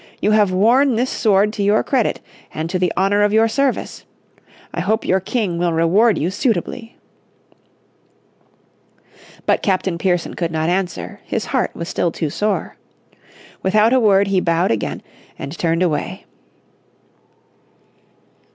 You have worn this sword to your credit, and to the honour of your service. I hope your King will reward you suitably." But Captain Pearson could not answer, his heart was still too sore. Without a word he bowed again and turned away.